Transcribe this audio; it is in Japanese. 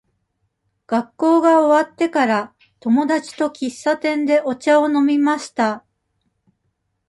学校が終わってから、友達と喫茶店でお茶を飲みました。